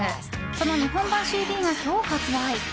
その日本版ＣＤが今日発売。